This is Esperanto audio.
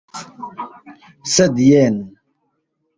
Sed jen!